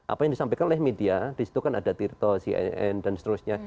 apa yang disampaikan oleh media disitu kan ada tirta cnn dan seterusnya